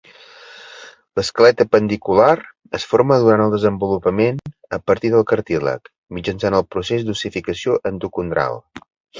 L'esquelet apendicular es forma durant el desenvolupament a partir del cartílag, mitjançant el procés d'ossificació endocondral.